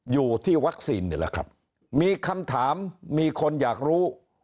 อยู่ที่วัคซีนนี่แหละครับมีคำถามมีคนอยากรู้